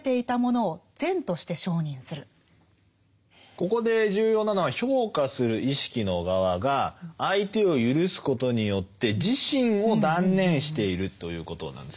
ここで重要なのは評価する意識の側が相手を赦すことによって自身を断念しているということなんです。